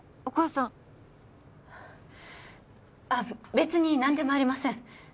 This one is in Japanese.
お母さんあっ別に何でもありません